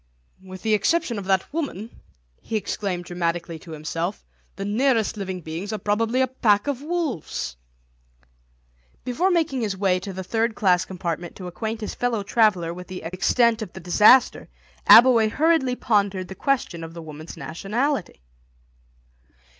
"With the exception of that woman," he exclaimed dramatically to himself, "the nearest living beings are probably a pack of wolves." Before making his way to the third class compartment to acquaint his fellow traveller with the extent of the disaster Abbleway hurriedly pondered the question of the woman's nationality.